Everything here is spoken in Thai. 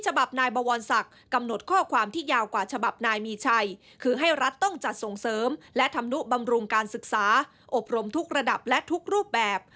ฉบับของนายมีชัยกำหนดในมาตรา๕๓ให้รัฐต้องจัดส่งเสริมและธำนุบำรุงการศึกษาอบรมทุกระดับและทุกรูปแบบ